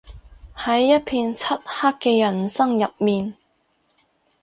喺一片漆黑嘅人生入面